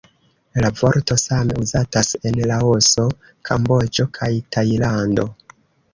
La vorto same uzatas en Laoso, Kamboĝo kaj Tajlando.